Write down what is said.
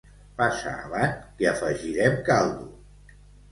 Passa avant, que afegirem caldo.